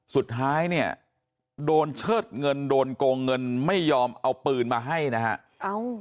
สุดท้ายเนี่ยโดนเชิดเงินโดนโกงเงินไม่ยอมเอาปืนมาให้นะฮะ